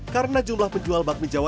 karena jumlah penjual bakmi jawa